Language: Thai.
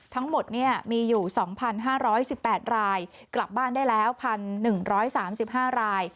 ทั้งหมดมีอยู่๒๕๑๘รายกลับบ้านได้แล้ว๑๑๓๕ราย